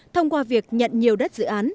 thông qua việc nhận nhiều đất dự án